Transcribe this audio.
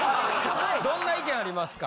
どんな意見ありますか？